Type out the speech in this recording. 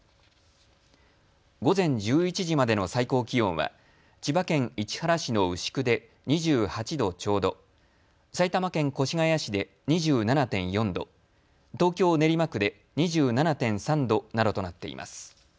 午前１１時までの最高気温は千葉県市原市の牛久で２８度ちょうど、埼玉県越谷市で２７．４度、東京練馬区で２７．３度などとなっています。